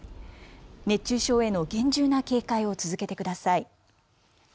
熱中症への厳重な警戒を続けてください。